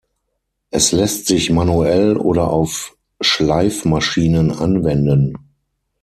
Es lässt sich manuell oder auf Schleifmaschinen anwenden.